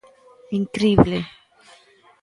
¡Incrible!